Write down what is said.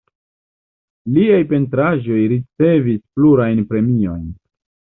Liaj pentraĵoj ricevis plurajn premiojn.